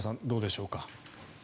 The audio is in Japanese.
どうでしょうか。